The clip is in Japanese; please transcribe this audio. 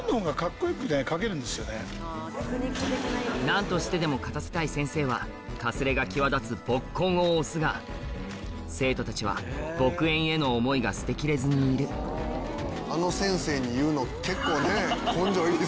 何としてでも勝たせたい先生はかすれが際立つ「墨魂」を推すが生徒たちは「墨縁」への思いが捨て切れずにいる結構ね。